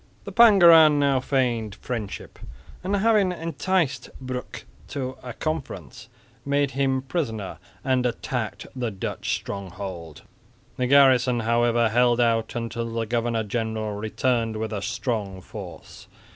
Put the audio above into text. The Pangeran now feigned friendship, and having enticed Broeck to a conference, made him prisoner and attacked the Dutch stronghold. The garrison however held out until the governor general returned with a strong force.